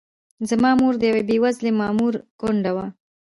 زما مور د یوه بې وزلي مامور کونډه وه.